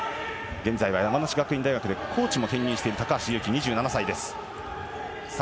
現在は山梨学院大学でコーチも兼任している高橋侑希、２７歳です。